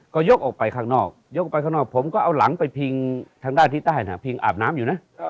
ก็ยกออกไปข้างนอกผมก็เอาหลังไปพิงทางด้านที่ใต้พิงอาบน้ำอยู่นะ